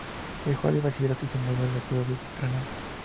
Dejó el Bachillerato y se mudó a la ciudad de Granada.